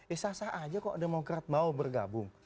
eh sah sah aja kok demokrat mau bergabung